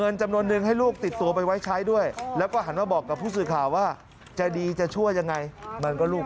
อย่าพลุกไปซ้ายลูกไม่ได้หรอก